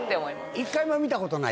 １回も見たことない？